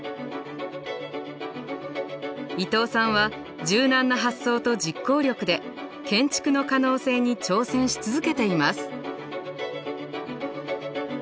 伊東さんは柔軟な発想と実行力で建築の可能性に挑戦し続けています。